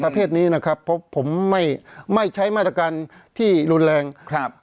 จริงผมไม่อยากสวนนะฮะเพราะถ้าผมสวนเนี่ยมันจะไม่ใช่เรื่องของการทำร้ายร่างกาย